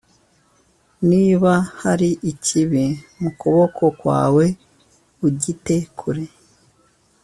niba hari ikibi mu kuboko kwawe ugite kure